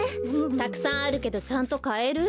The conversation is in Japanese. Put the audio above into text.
たくさんあるけどちゃんとかえる？